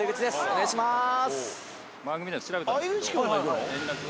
お願いします。